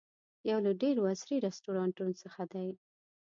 یو له ډېرو عصري رسټورانټونو څخه دی.